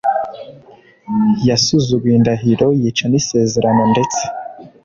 yasuzuguye indahiro yica n isezerano ndetse